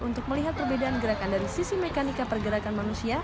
untuk melihat perbedaan gerakan dari sisi mekanika pergerakan manusia